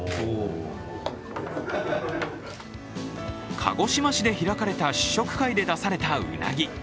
鹿児島市で開かれた試食会で出されたウナギ。